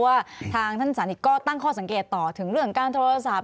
ว่าทางท่านสานิทก็ตั้งข้อสังเกตต่อถึงเรื่องการโทรศัพท์